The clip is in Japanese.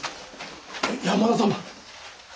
山田様。